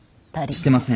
してません。